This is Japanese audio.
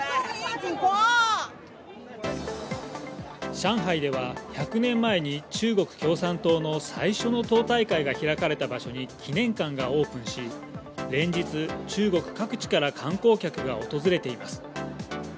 上海では１００年前に中国共産党の最初の党大会が開かれた場所に記念館がオープンし、連日、中国各地から観光客が訪れています。